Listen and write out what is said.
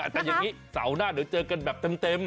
แต่อย่างนี้เสาร์หน้าเดี๋ยวเจอกันแบบเต็ม